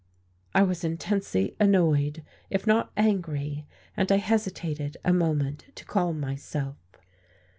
I was intensely annoyed, if not angry; and I hesitated a moment to calm myself.